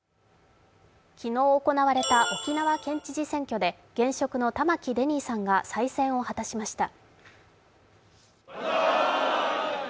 昨日行われた沖縄県知事選挙で現職の玉城デニーさんが再選を果たしました。